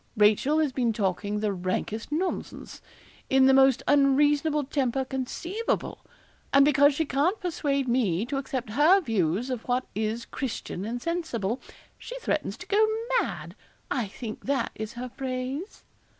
Rachel has been talking the rankest nonsense, in the most unreasonable temper conceivable; and because she can't persuade me to accept her views of what is Christian and sensible, she threatens to go mad I think that is her phrase.'